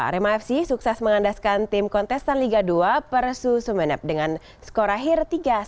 arema fc sukses mengandaskan tim kontestan liga dua persu sumeneb dengan skor akhir tiga satu